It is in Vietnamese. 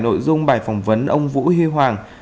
nội dung bài phỏng vấn ông vũ hy hoàng